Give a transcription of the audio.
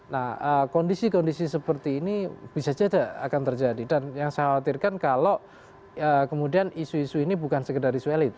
nah kondisi kondisi seperti ini bisa saja akan terjadi dan yang saya khawatirkan kalau kemudian isu isu ini bukan sekedar isu elit